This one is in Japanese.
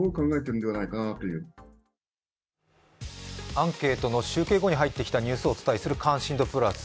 アンケートの集計後に入ってきたニュースをお伝えする「関心度プラス」。